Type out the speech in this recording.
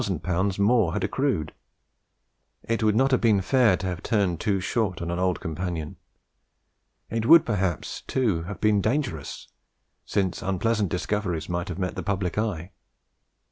more had accrued. It would not have been fair to have turned too short on an old companion. It would perhaps, too, have been dangerous, since unpleasant discoveries might have met the public eye.